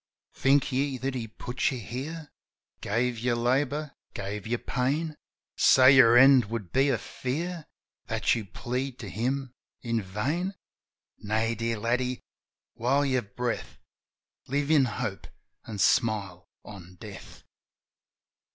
"Think ye that He put you here. Gave you labour, gave you pain. So your end should be a fear That you plead to Him in vain? Nay, dear laddie, while you've breath. Live in hope, an' smile on death."